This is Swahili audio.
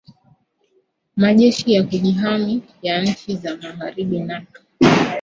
majeshi ya kujihami ya nchi za magharibi nato